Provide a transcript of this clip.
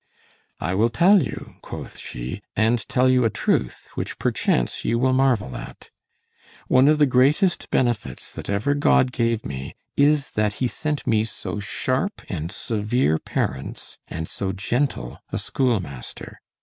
"I will tell you," quoth she, "and tell you a truth, which perchance ye will marvel at. One of the greatest benefits that ever God gave me, is, that he sent me so sharp and severe parents, and so gentle a schoolmaster.